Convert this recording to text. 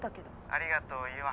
ありがとう優愛。